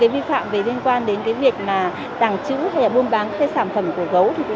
vi phạm liên quan đến việc tàng trữ hay buôn bán các sản phẩm của gấu